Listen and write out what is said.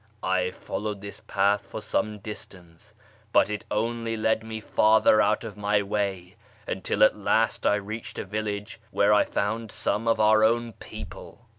I followed this path for some distance, but it only led me farther out of my way, until at last I reached a village where I found some of our own people.